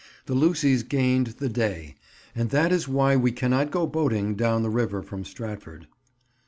The Lucys gained the day, and that is why we cannot go boating down the river from Stratford.